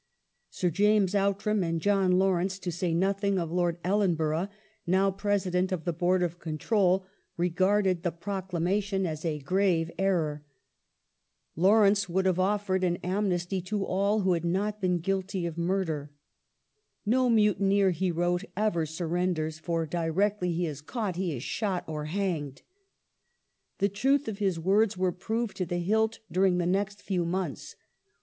Sir James Outram and John Lawrence, to say nothing of Lord Ellenborough, now President of the Board of Control, regarded the proclamation as a grave en'or. J'C/. >»/m,^p. 301, I 292 THE INDIAN MUTINY [1856 Lawi ence would have offered an amnesty to all who had not been guilty of murder. "No mutineer/' he wrote, "ever surrenders; for directly he is caught, he is shot or hanged." The truth of his words was proved to the hilt during the next few months.